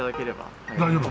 大丈夫？